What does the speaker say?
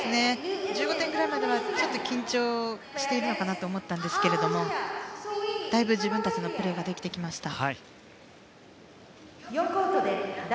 １５点ぐらいまではちょっと緊張しているのかなと思っていたんですけどもだいぶ自分たちのプレーができてきました。